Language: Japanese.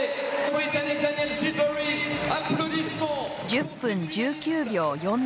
１０分１９秒４７。